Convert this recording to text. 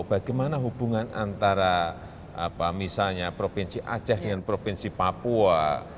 bagaimana hubungan antara misalnya provinsi aceh dengan provinsi papua